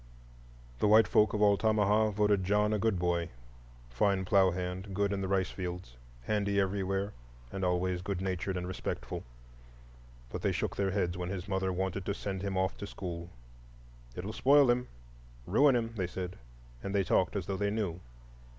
The white folk of Altamaha voted John a good boy,—fine plough hand, good in the rice fields, handy everywhere, and always good natured and respectful. But they shook their heads when his mother wanted to send him off to school. "It'll spoil him,—ruin him," they said; and they talked as though they knew.